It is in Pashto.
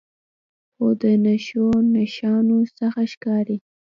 خو د نښو نښانو څخه ښکارې